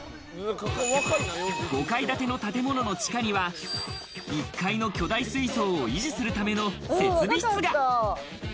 ５階建ての建物の地下には、１階の巨大水槽を維持するための設備室が。